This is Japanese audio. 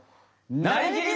「なりきり！